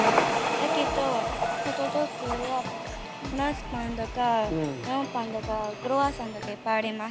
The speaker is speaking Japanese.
だけどホットドッグやフランスパンとかメロンパンとかクロワッサンとかいっぱいあります。